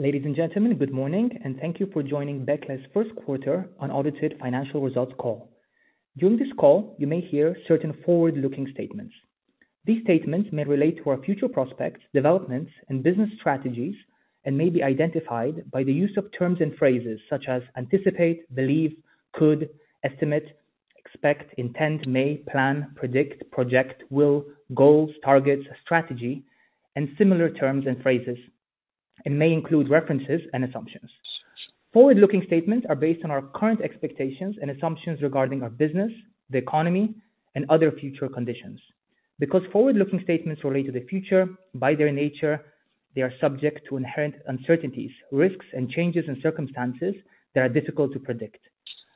Ladies and gentlemen, good morning, and thank you for joining Becle's First Quarter Unaudited Financial Results Call. During this call, you may hear certain forward-looking statements. These statements may relate to our future prospects, developments, and business strategies, and may be identified by the use of terms and phrases such as anticipate, believe, could, estimate, expect, intend, may, plan, predict, project, will, goals, targets, strategy, and similar terms and phrases, and may include references and assumptions. Forward-looking statements are based on our current expectations and assumptions regarding our business, the economy, and other future conditions. Because forward-looking statements relate to the future, by their nature, they are subject to inherent uncertainties, risks, and changes in circumstances that are difficult to predict.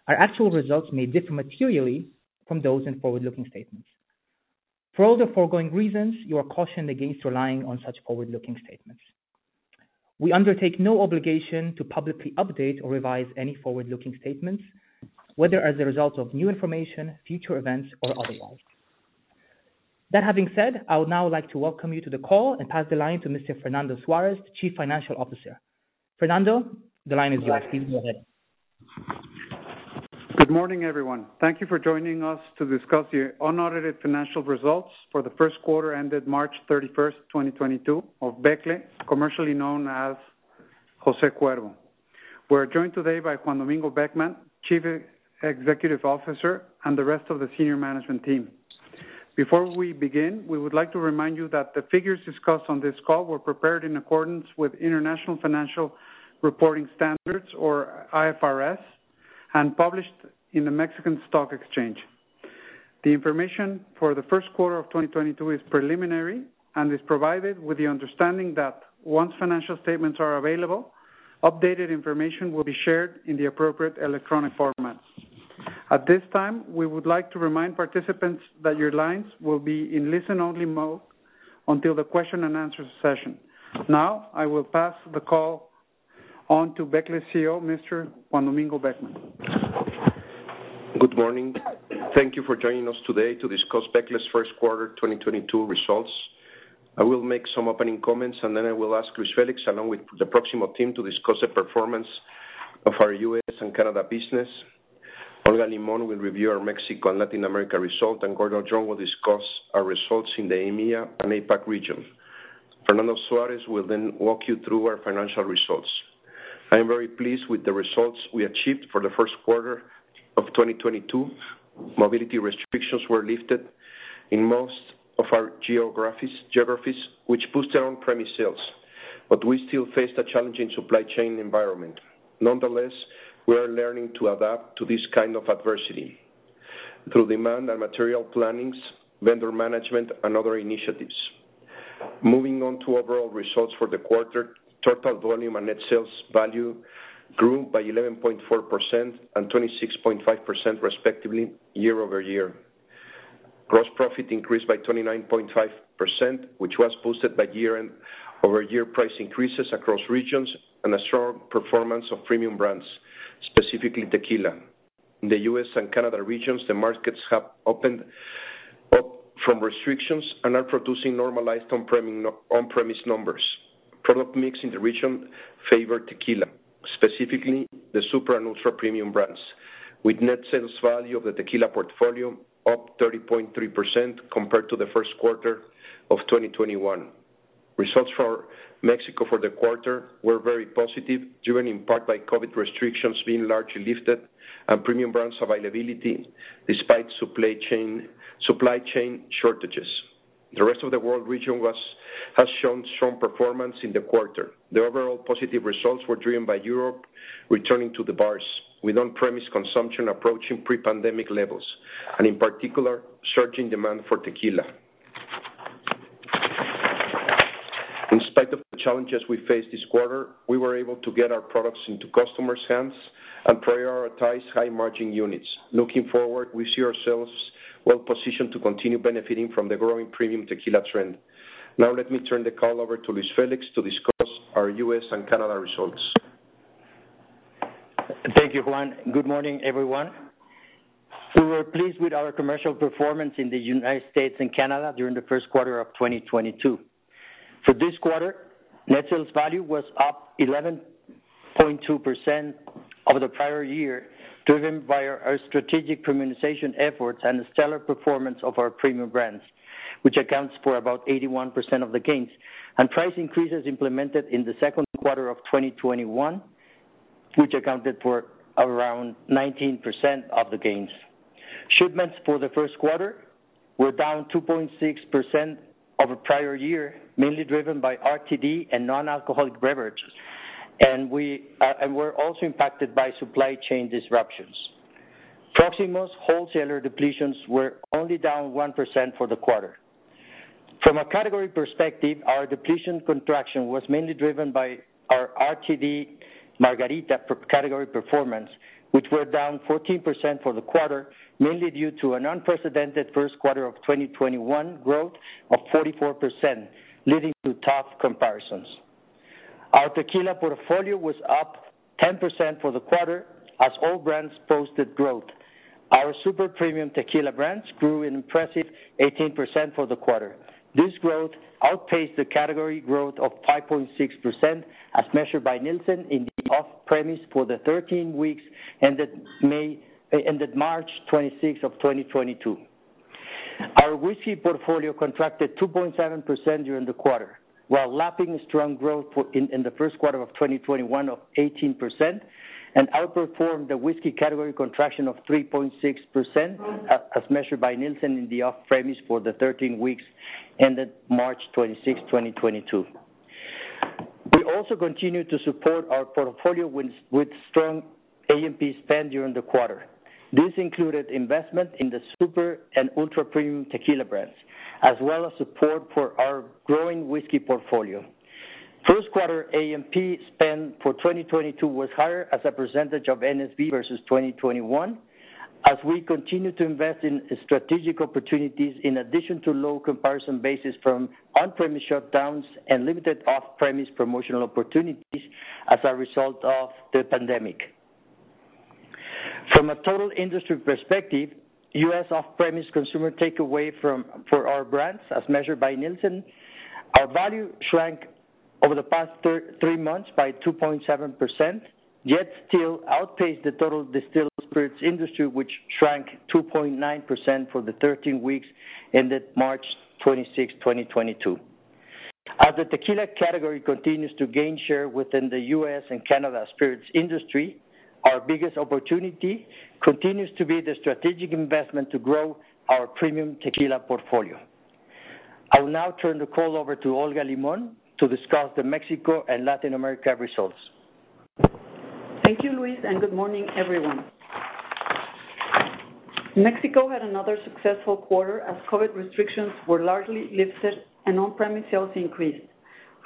Our actual results may differ materially from those in forward-looking statements. For all the foregoing reasons, you are cautioned against relying on such forward-looking statements. We undertake no obligation to publicly update or revise any forward-looking statements, whether as a result of new information, future events, or otherwise. That having said, I would now like to welcome you to the call and pass the line to Mr. Fernando Suárez, Chief Financial Officer. Fernando, the line is yours. Please go ahead. Good morning, everyone. Thank you for joining us to discuss the unaudited financial results for the first quarter ended March 31, 2022 of Becle, commercially known as Jose Cuervo. We're joined today by Juan Domingo Beckmann, Chief Executive Officer, and the rest of the senior management team. Before we begin, we would like to remind you that the figures discussed on this call were prepared in accordance with International Financial Reporting Standards, or IFRS, and published in the Mexican Stock Exchange. The information for the first quarter of 2022 is preliminary and is provided with the understanding that once financial statements are available, updated information will be shared in the appropriate electronic formats. At this time, we would like to remind participants that your lines will be in listen-only mode until the question and answer session. Now, I will pass the call on to Becle's CEO, Mr. Juan Domingo Beckmann. Good morning. Thank you for joining us today to discuss Becle's First Quarter 2022 Results. I will make some opening comments, and then I will ask Luis Félix, along with the Proximo team, to discuss the performance of our US and Canada business. Olga Limón will review our Mexico and Latin America result, and Gordon Dron will discuss our results in the EMEA and APAC region. Fernando Suárez will then walk you through our financial results. I am very pleased with the results we achieved for the first quarter of 2022. Mobility restrictions were lifted in most of our geographies, which boosted on-premise sales, but we still face the challenge in supply chain environment. Nonetheless, we are learning to adapt to this kind of adversity through demand and material plannings, vendor management, and other initiatives. Moving on to overall results for the quarter. Total volume and net sales value grew by 11.4% and 26.5%, respectively, year-over-year. Gross profit increased by 29.5%, which was boosted by year-over-year price increases across regions and a strong performance of premium brands, specifically tequila. In the U.S. and Canada regions, the markets have opened up from restrictions and are producing normalized on-premise numbers. Product mix in the region favor tequila, specifically the super and ultra premium brands, with net sales value of the tequila portfolio up 30.3% compared to the first quarter of 2021. Results for Mexico for the quarter were very positive, driven in part by COVID restrictions being largely lifted and premium brands availability despite supply chain shortages. The rest of the world region has shown strong performance in the quarter. The overall positive results were driven by Europe returning to the bars with on-premise consumption approaching pre-pandemic levels, and in particular, surging demand for tequila. In spite of the challenges we faced this quarter, we were able to get our products into customers' hands and prioritize high margin units. Looking forward, we see ourselves well positioned to continue benefiting from the growing premium tequila trend. Now let me turn the call over to Luis Félix to discuss our US and Canada results. Thank you, Juan. Good morning, everyone. We were pleased with our commercial performance in the United States and Canada during the first quarter of 2022. For this quarter, net sales value was up 11.2% over the prior year, driven by our strategic promotion efforts and the stellar performance of our premium brands, which accounts for about 81% of the gains, and price increases implemented in the second quarter of 2021, which accounted for around 19% of the gains. Shipments for the first quarter were down 2.6% over prior year, mainly driven by RTD and non-alcoholic beverage. We're also impacted by supply chain disruptions. Proximo's wholesaler depletions were only down 1% for the quarter. From a category perspective, our depletion contraction was mainly driven by our RTD margarita per category performance, which were down 14% for the quarter, mainly due to an unprecedented first quarter of 2021 growth of 44%, leading to tough comparisons. Our tequila portfolio was up 10% for the quarter as all brands posted growth. Our super premium tequila brands grew an impressive 18% for the quarter. This growth outpaced the category growth of 5.6%, as measured by Nielsen in the off-premise for the 13 weeks ended March 26, 2022. Our whiskey portfolio contracted 2.7% during the quarter, while lapping strong growth for the first quarter of 2021 of 18%, and outperformed the whiskey category contraction of 3.6%, as measured by Nielsen in the off-premise for the thirteen weeks ended March 26, 2022. We also continued to support our portfolio with strong A&P spend during the quarter. This included investment in the super and ultra-premium tequila brands, as well as support for our growing whiskey portfolio. First quarter A&P spend for 2022 was higher as a percentage of NSV versus 2021, as we continue to invest in strategic opportunities in addition to low comparison basis from on-premise shutdowns and limited off-premise promotional opportunities as a result of the pandemic. From a total industry perspective, US off-premise consumer takeaway from, for our brands, as measured by Nielsen, our value shrank over the past thirteen months by 2.7%, yet still outpaced the total distilled spirits industry, which shrank 2.9% for the 13 weeks ended March 26, 2022. The tequila category continues to gain share within the US and Canada spirits industry, our biggest opportunity continues to be the strategic investment to grow our premium tequila portfolio. I will now turn the call over to Olga Limón to discuss the Mexico and Latin America results. Thank you, Luis, and good morning, everyone. Mexico had another successful quarter as COVID restrictions were largely lifted and on-premise sales increased.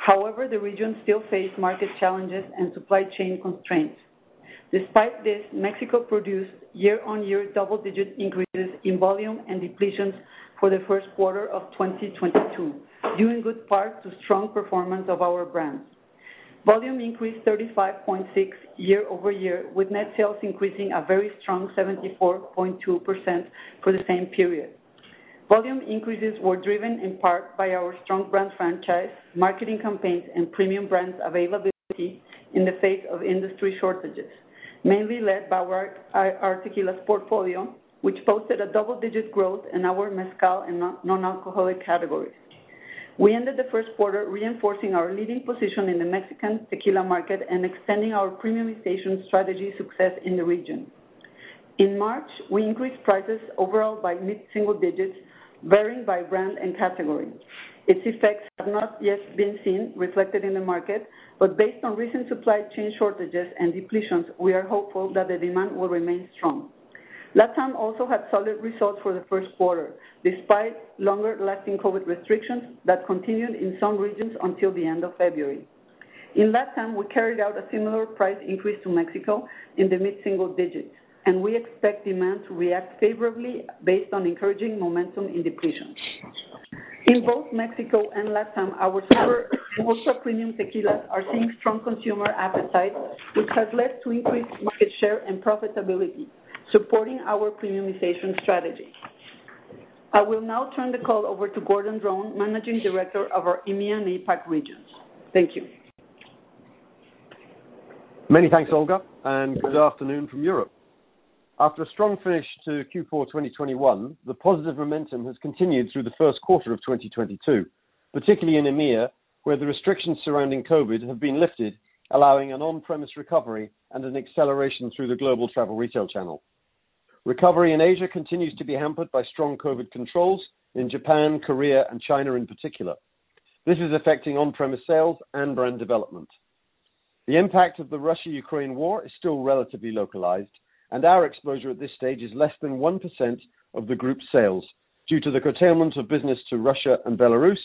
However, the region still faced market challenges and supply chain constraints. Despite this, Mexico produced year-on-year double-digit increases in volume and depletions for the first quarter of 2022, due in good part to strong performance of our brands. Volume increased 35.6 year-over-year, with net sales increasing a very strong 74.2% for the same period. Volume increases were driven in part by our strong brand franchise, marketing campaigns, and premium brands availability in the face of industry shortages, mainly led by our tequila portfolio, which posted a double-digit growth in our mezcal and non-alcoholic categories. We ended the first quarter reinforcing our leading position in the Mexican tequila market and extending our premiumization strategy success in the region. In March, we increased prices overall by mid-single digits, varying by brand and category. Its effects have not yet been seen reflected in the market, but based on recent supply chain shortages and depletions, we are hopeful that the demand will remain strong. LatAm also had solid results for the first quarter, despite longer-lasting COVID restrictions that continued in some regions until the end of February. In LatAm, we carried out a similar price increase to Mexico in the mid-single digits, and we expect demand to react favorably based on encouraging momentum in depletions. In both Mexico and LatAm, our super, ultra-premium tequilas are seeing strong consumer appetite, which has led to increased market share and profitability, supporting our premiumization strategy. I will now turn the call over to Gordon Dron, Managing Director of our EMEA and APAC regions. Thank you. Many thanks, Olga, and good afternoon from Europe. After a strong finish to Q4 2021, the positive momentum has continued through the first quarter of 2022, particularly in EMEA, where the restrictions surrounding COVID have been lifted, allowing an on-premise recovery and an acceleration through the global travel retail channel. Recovery in Asia continues to be hampered by strong COVID controls in Japan, Korea, and China in particular. This is affecting on-premise sales and brand development. The impact of the Russia-Ukraine war is still relatively localized, and our exposure at this stage is less than 1% of the group's sales due to the curtailment of business to Russia and Belarus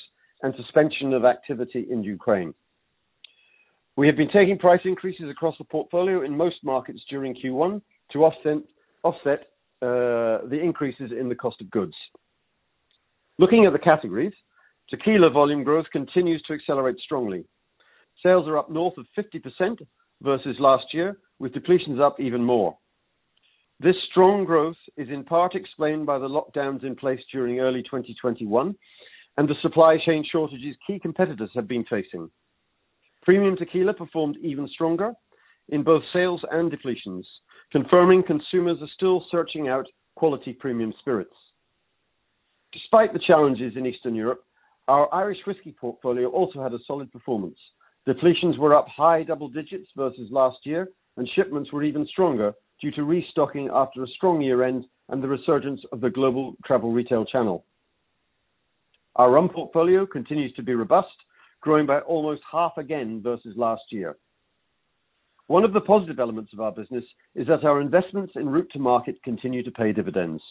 and suspension of activity in Ukraine. We have been taking price increases across the portfolio in most markets during Q1 to offset the increases in the cost of goods. Looking at the categories, tequila volume growth continues to accelerate strongly. Sales are up north of 50% versus last year, with depletions up even more. This strong growth is in part explained by the lockdowns in place during early 2021 and the supply chain shortages key competitors have been facing. Premium tequila performed even stronger in both sales and depletions, confirming consumers are still searching out quality premium spirits. Despite the challenges in Eastern Europe, our Irish whiskey portfolio also had a solid performance. Depletions were up high double digits versus last year, and shipments were even stronger due to restocking after a strong year-end and the resurgence of the global travel retail channel. Our rum portfolio continues to be robust, growing by almost half again versus last year. One of the positive elements of our business is that our investments in route to market continue to pay dividends.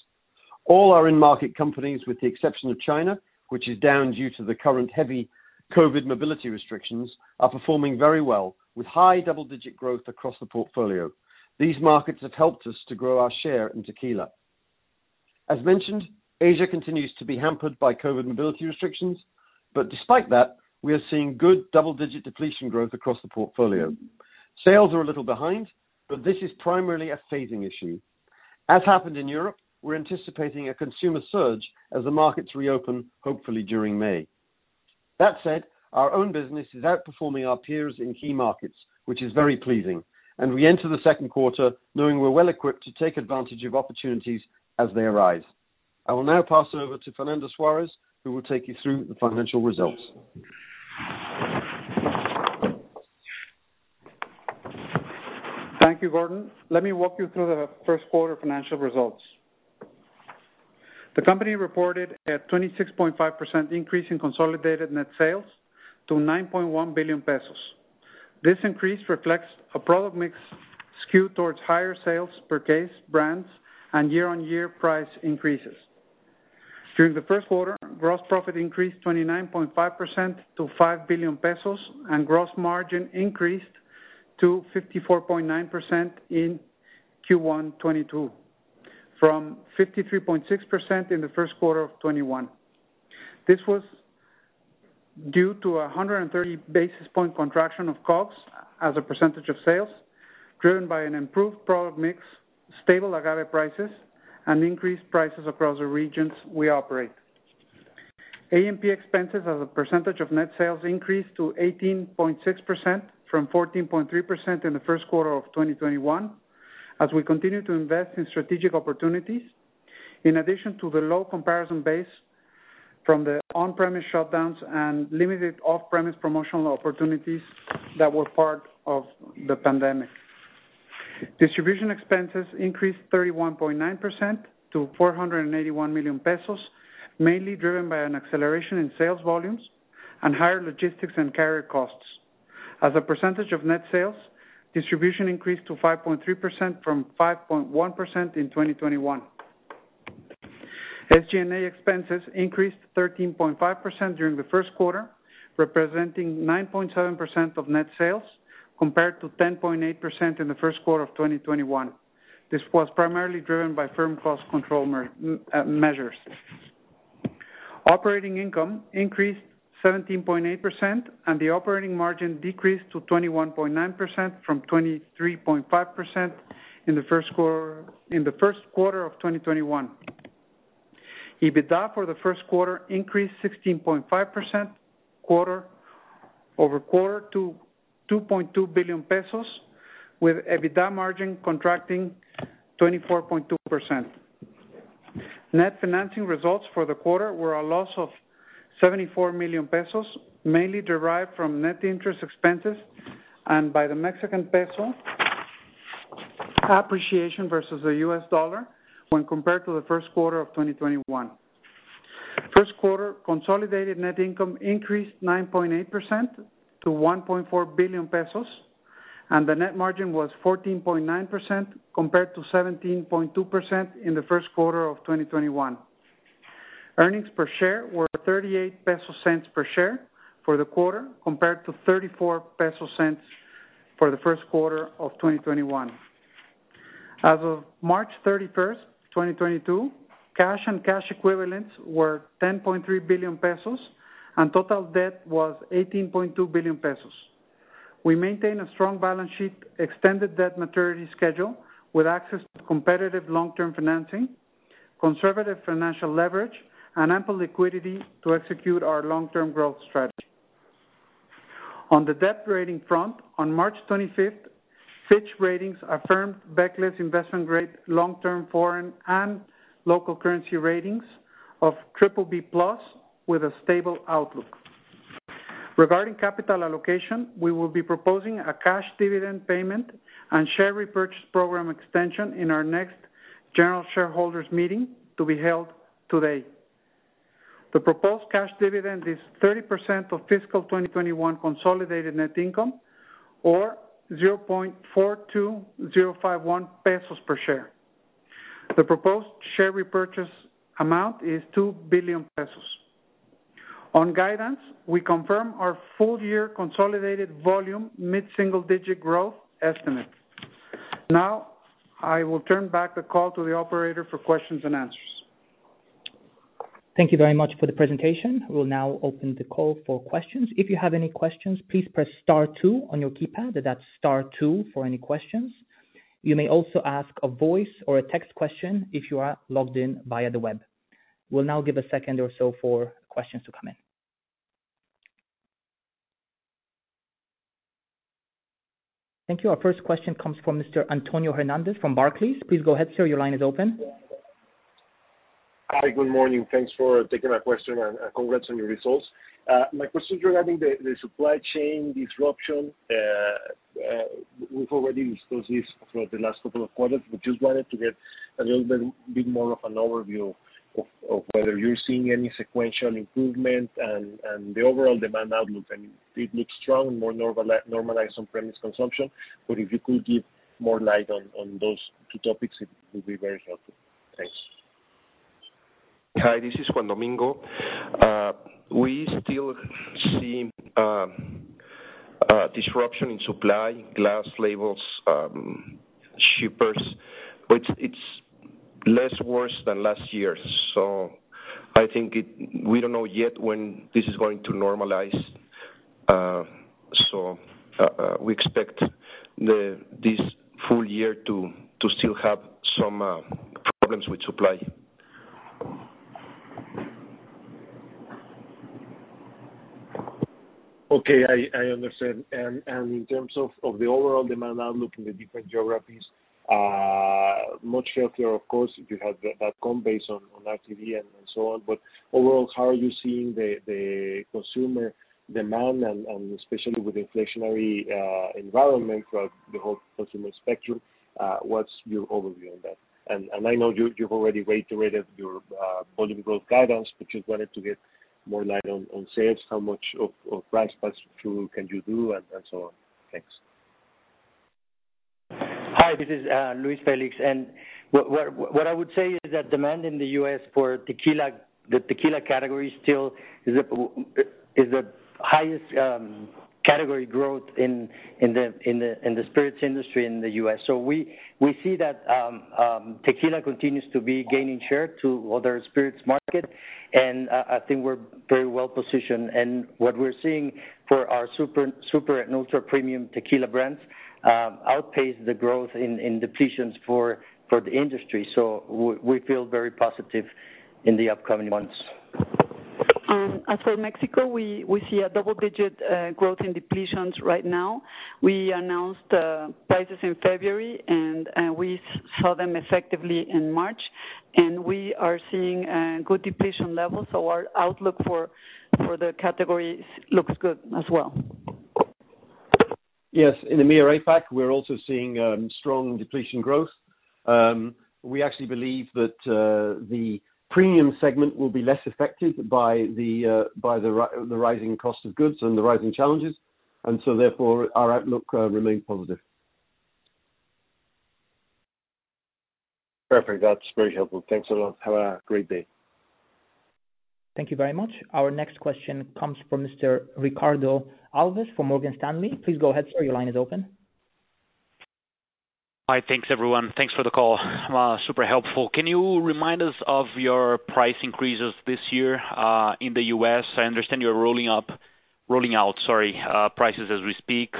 All our end market companies, with the exception of China, which is down due to the current heavy COVID mobility restrictions, are performing very well, with high double-digit growth across the portfolio. These markets have helped us to grow our share in tequila. As mentioned, Asia continues to be hampered by COVID mobility restrictions. Despite that, we are seeing good double-digit depletion growth across the portfolio. Sales are a little behind, but this is primarily a phasing issue. As happened in Europe, we're anticipating a consumer surge as the markets reopen, hopefully during May. That said, our own business is outperforming our peers in key markets, which is very pleasing, and we enter the second quarter knowing we're well equipped to take advantage of opportunities as they arise. I will now pass it over to Fernando Suárez, who will take you through the financial results. Thank you, Gordon. Let me walk you through the first quarter financial results. The company reported a 26.5% increase in consolidated net sales to 9.1 billion pesos. This increase reflects a product mix skewed towards higher sales per case brands and year-on-year price increases. During the first quarter, gross profit increased 29.5% to 5 billion pesos, and gross margin increased to 54.9% in Q1 2022, from 53.6% in the first quarter of 2021. This was due to a 130 basis point contraction of COGS as a percentage of sales, driven by an improved product mix, stable agave prices, and increased prices across the regions we operate. A&P expenses as a percentage of net sales increased to 18.6% from 14.3% in the first quarter of 2021 as we continue to invest in strategic opportunities, in addition to the low comparison base from the on-premise shutdowns and limited off-premise promotional opportunities that were part of the pandemic. Distribution expenses increased 31.9% to 481 million pesos, mainly driven by an acceleration in sales volumes and higher logistics and carrier costs. As a percentage of net sales, distribution increased to 5.3% from 5.1% in 2021. SG&A expenses increased 13.5% during the first quarter, representing 9.7% of net sales, compared to 10.8% in the first quarter of 2021. This was primarily driven by firm cost control measures. Operating income increased 17.8%, and the operating margin decreased to 21.9% from 23.5% in the first quarter of 2021. EBITDA for the first quarter increased 16.5% quarter-over-quarter to 2.2 billion pesos, with EBITDA margin contracting 24.2%. Net financing results for the quarter were a loss of 74 million pesos, mainly derived from net interest expenses and by the Mexican peso appreciation versus the US dollar when compared to the first quarter of 2021. First quarter consolidated net income increased 9.8% to 1.4 billion pesos, and the net margin was 14.9% compared to 17.2% in the first quarter of 2021. Earnings per share were 0.38 per share for the quarter, compared to 0.34 for the first quarter of 2021. As of March 31, 2022, cash and cash equivalents were 10.3 billion pesos, and total debt was 18.2 billion pesos. We maintain a strong balance sheet, extended debt maturity schedule with access to competitive long-term financing, conservative financial leverage, and ample liquidity to execute our long-term growth strategy. On the debt rating front, on March 25, Fitch Ratings affirmed Becle's investment-grade long-term foreign and local currency ratings of BBB+ with a stable outlook. Regarding capital allocation, we will be proposing a cash dividend payment and share repurchase program extension in our next general shareholders meeting to be held today. The proposed cash dividend is 30% of fiscal 2021 consolidated net income, or 0.42051 pesos per share. The proposed share repurchase amount is 2 billion pesos. On guidance, we confirm our full-year consolidated volume mid-single-digit growth estimate. Now I will turn back the call to the Operator for questions and answers. Thank you very much for the presentation. We'll now open the call for questions. If you have any questions, please press star two on your keypad. That's star two for any questions. You may also ask a voice or a text question if you are logged in via the web. We'll now give a second or so for questions to come in. Thank you. Our first question comes from Mr. Antonio Hernandez from Barclays. Please go ahead, sir. Your line is open. Hi. Good morning. Thanks for taking my question and congrats on your results. My question regarding the supply chain disruption. We've already discussed this for the last couple of quarters. We just wanted to get a little bit more of an overview of whether you're seeing any sequential improvement and the overall demand outlook. It looks strong and more normalized on-premise consumption, but if you could give more light on those two topics, it would be very helpful. Thanks. Hi, this is Juan Domingo. We still see A disruption in supply, glass labels, shippers, but it's less worse than last year. I think it. We don't know yet when this is going to normalize. We expect this full year to still have some problems with supply. Okay. I understand. In terms of the overall demand outlook in the different geographies, much healthier of course, if you have that comp based on RTD and so on. Overall, how are you seeing the consumer demand and especially with inflationary environment throughout the whole consumer spectrum, what's your overview on that? I know you've already reiterated your volume growth guidance, but just wanted to get more light on sales, how much of price pass through can you do and so on. Thanks. Hi, this is Luis Félix. What I would say is that demand in the U.S. for tequila, the tequila category still is the highest category growth in the spirits industry in the U.S. We see that tequila continues to be gaining share to other spirits market. I think we're very well-positioned. What we're seeing for our super and ultra premium tequila brands outpace the growth in depletions for the industry. We feel very positive in the upcoming months. As for Mexico, we see a double-digit growth in depletions right now. We announced prices in February, and we saw them effectively in March. We are seeing good depletion levels. Our outlook for the category looks good as well. Yes. In the EMEA APAC, we're also seeing strong depletion growth. We actually believe that the premium segment will be less affected by the rising cost of goods and the rising challenges. Therefore our outlook remain positive. Perfect. That's very helpful. Thanks a lot. Have a great day. Thank you very much. Our next question comes from Mr. Ricardo Alves from Morgan Stanley. Please go ahead, sir. Your line is open. Hi. Thanks, everyone. Thanks for the call. Super helpful. Can you remind us of your price increases this year in the US? I understand you're rolling out, sorry, prices as we speak.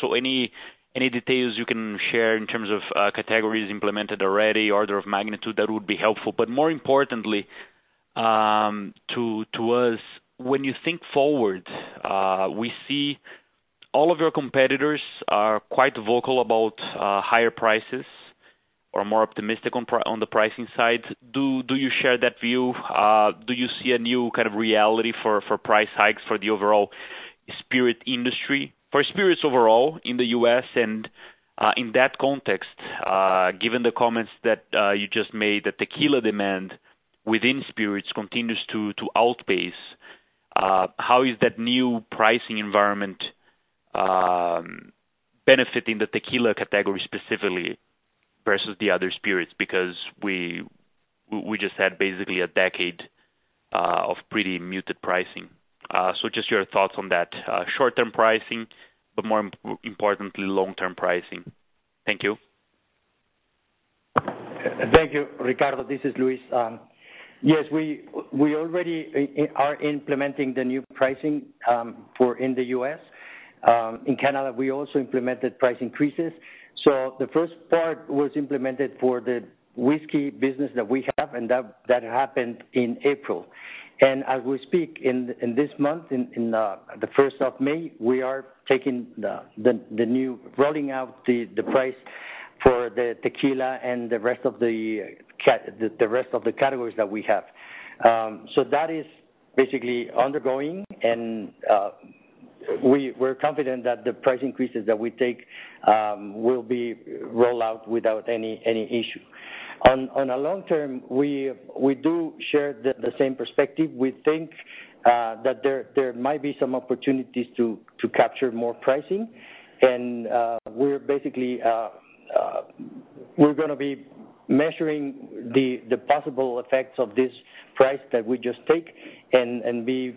So any details you can share in terms of categories implemented already, order of magnitude, that would be helpful. But more importantly, to us, when you think forward, we see all of your competitors are quite vocal about higher prices or more optimistic on the pricing side. Do you share that view? Do you see a new kind of reality for price hikes for the overall spirits industry, for spirits overall in the US? In that context, given the comments that you just made, the tequila demand within spirits continues to outpace, how is that new pricing environment benefiting the tequila category specifically versus the other spirits? Because we just had basically a decade of pretty muted pricing. Just your thoughts on that, short-term pricing, but more importantly long-term pricing. Thank you. Thank you, Ricardo. This is Luis. Yes, we already are implementing the new pricing for the US. In Canada, we also implemented price increases. The first part was implemented for the whiskey business that we have, and that happened in April. As we speak in this month, in the first of May, we are rolling out the price for the tequila and the rest of the categories that we have. That is basically undergoing, and we're confident that the price increases that we take will be rolled out without any issue. On a long term, we do share the same perspective. We think that there might be some opportunities to capture more pricing. We're basically gonna be measuring the possible effects of this price that we just take and be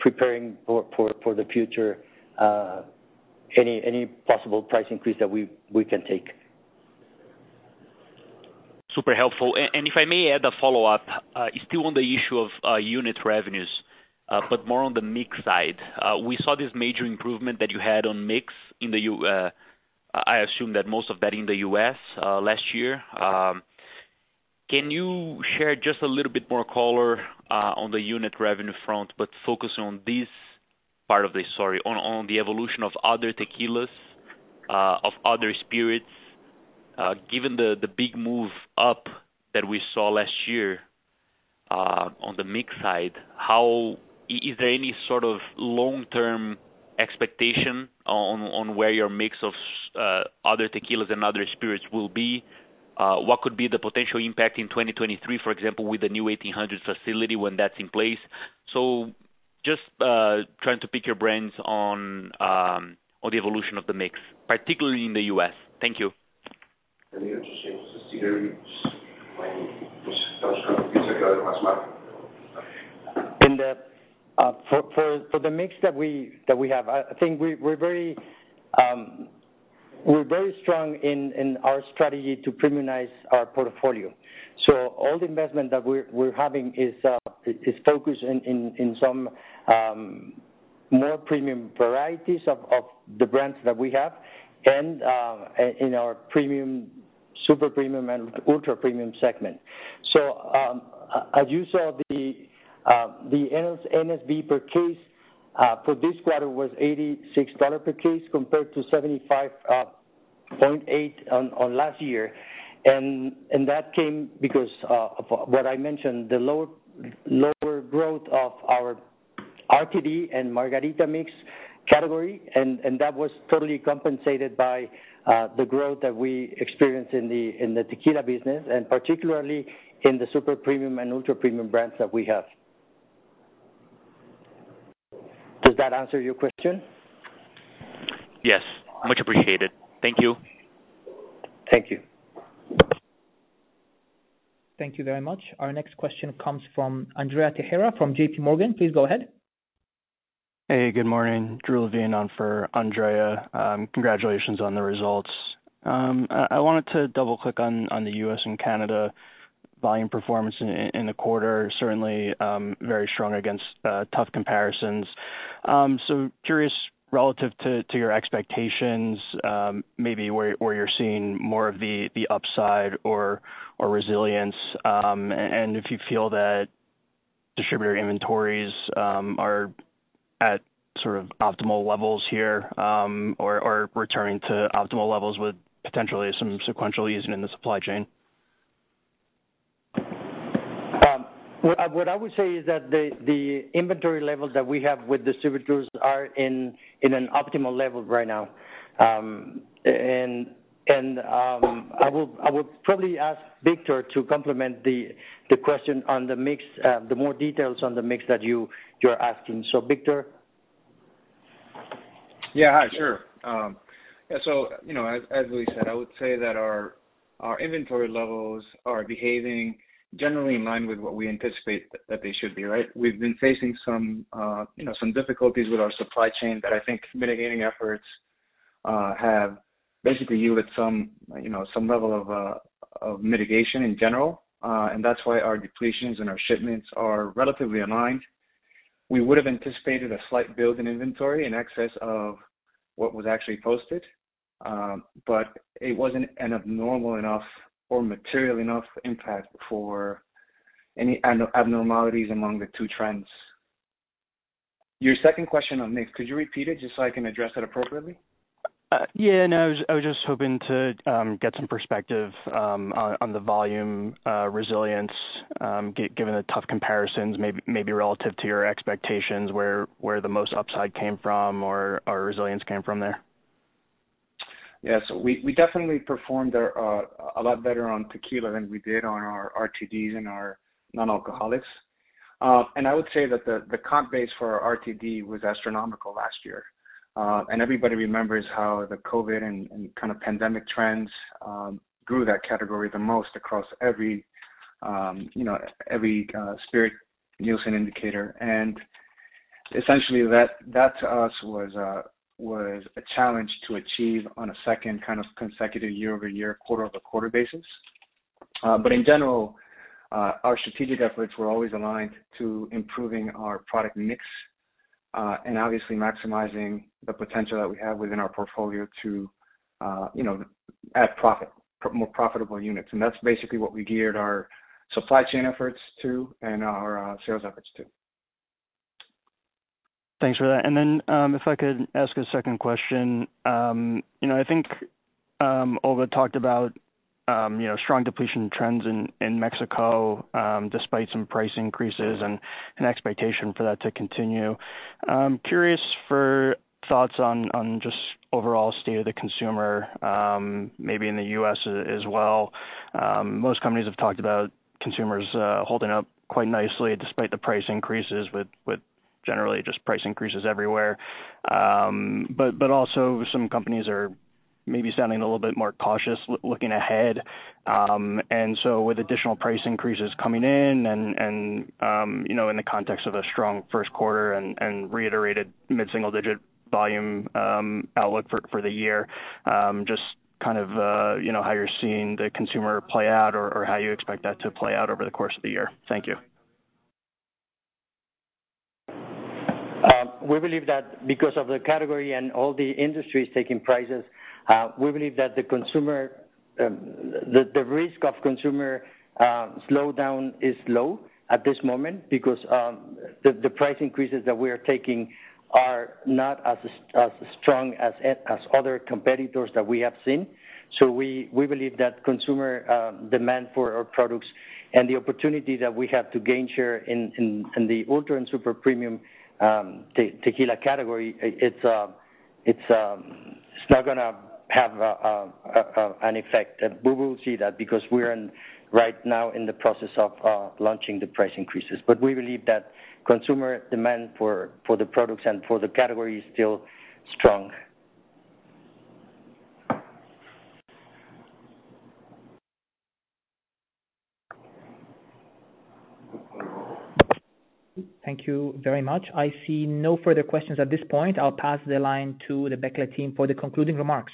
preparing for the future any possible price increase that we can take. Super helpful. If I may add a follow-up, still on the issue of unit revenues, but more on the mix side. We saw this major improvement that you had on mix in the US. I assume that most of that in the US last year. Can you share just a little bit more color on the unit revenue front, but focus on the evolution of other tequilas, of other spirits. Given the big move up that we saw last year on the mix side, is there any sort of long-term expectation on where your mix of other tequilas and other spirits will be? What could be the potential impact in 2023, for example, with the new 1800 facility when that's in place? Just trying to pick your brains on the evolution of the mix, particularly in the U.S. Thank you. Let me just change the scenery. For the mix that we have, I think we're very strong in our strategy to Premiumize our portfolio. All the investment that we're having is focused in some more premium varieties of the brands that we have and in our premium, super premium and ultra-premium segment. As you saw, the NSV per case for this quarter was $86 per case compared to $75.8 on last year. That came because what I mentioned, the lower growth of our RTD and margarita mix category, and that was totally compensated by the growth that we experienced in the tequila business, and particularly in the super premium and ultra-premium brands that we have. Does that answer your question? Yes. Much appreciated. Thank you. Thank you. Thank you very much. Our next question comes from Andrea Teixeira from JPMorgan. Please go ahead. Hey, good morning. Drew Levine on for Andrea. Congratulations on the results. I wanted to double-click on the U.S. and Canada volume performance in the quarter, certainly very strong against tough comparisons. Curious relative to your expectations, maybe where you're seeing more of the upside or resilience, and if you feel that distributor inventories are at sort of optimal levels here, or returning to optimal levels with potentially some sequential easing in the supply chain. What I would say is that the inventory levels that we have with distributors are in an optimal level right now. I will probably ask Victor to complement the question on the mix, the more details on the mix that you're asking. Victor? Yeah. Hi, sure. Yeah, so, you know, as Luis said, I would say that our inventory levels are behaving generally in line with what we anticipate that they should be, right? We've been facing some you know some difficulties with our supply chain that I think mitigating efforts have basically yielded some you know some level of mitigation in general, and that's why our depletions and our shipments are relatively aligned. We would've anticipated a slight build in inventory in excess of what was actually posted, but it wasn't an abnormal enough or material enough impact for any abnormalities among the two trends. Your second question on mix, could you repeat it just so I can address that appropriately? Yeah, no, I was just hoping to get some perspective on the volume resilience, given the tough comparisons, maybe relative to your expectations, where the most upside came from or resilience came from there. Yeah. We definitely performed a lot better on tequila than we did on our RTDs and our non-alcoholics. I would say that the comp base for our RTD was astronomical last year. Everybody remembers how the COVID and kind of pandemic trends grew that category the most across every spirit Nielsen indicator. Essentially that to us was a challenge to achieve on a second kind of consecutive year-over-year, quarter-over-quarter basis. In general, our strategic efforts were always aligned to improving our product mix, and obviously maximizing the potential that we have within our portfolio to, you know, add more profitable units. That's basically what we geared our supply chain efforts to and our sales efforts to. Thanks for that. If I could ask a second question. You know, I think Olga talked about you know, strong depletion trends in Mexico, despite some price increases and an expectation for that to continue. I'm curious for thoughts on just overall state of the consumer, maybe in the U.S. as well. Most companies have talked about consumers holding up quite nicely despite the price increases with generally just price increases everywhere. But also some companies are maybe sounding a little bit more cautious looking ahead. With additional price increases coming in and you know, in the context of a strong first quarter and reiterated mid-single-digit volume outlook for the year, just kind of you know, how you're seeing the consumer play out or how you expect that to play out over the course of the year. Thank you. We believe that because of the category and all the industries taking prices, we believe that the risk of consumer slowdown is low at this moment because the price increases that we are taking are not as strong as other competitors that we have seen. We believe that consumer demand for our products and the opportunity that we have to gain share in the ultra and super premium tequila category, it's not gonna have an effect. We will see that because we're right now in the process of launching the price increases. We believe that consumer demand for the products and for the category is still strong. Thank you very much. I see no further questions at this point. I'll pass the line to the Becle team for the concluding remarks.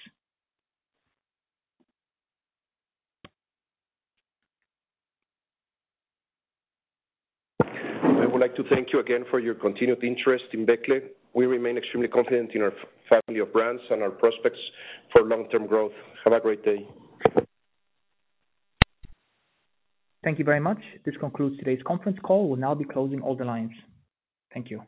I would like to thank you again for your continued interest in Becle. We remain extremely confident in our family of brands and our prospects for long-term growth. Have a great day. Thank you very much. This concludes today's conference call. We'll now be closing all the lines. Thank you.